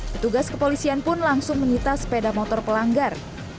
petugas kepolisian pun langsung menyita sepeda motor pelanggar